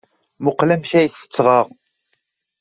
Mmuqqel amek ay t-ttgeɣ!